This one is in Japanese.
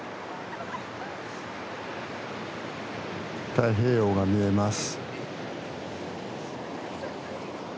太平洋が見えます。